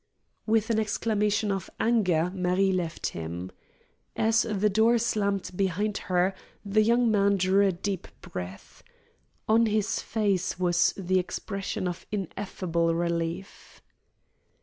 With an exclamation of anger Marie left him. As the door slammed behind her, the young man drew a deep breath. On his face was the expression of ineffable relief.